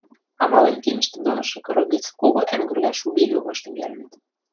Амален кимӹштӹ донышы кырык гӹц кого ӓнгӹрвлӓ шуге йогаш тӹнгӓлӹнӹт.